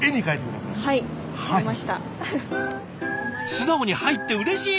素直に「はい」ってうれしい！